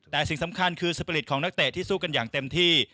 แต่สิ่งสำคัญคือสปริตของนักเตะที่สู้กันอย่างเต็มที่